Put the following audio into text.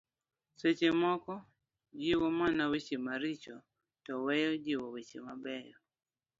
seche moko jiwo mana weche maricho to weyo majiwo weche mabeyo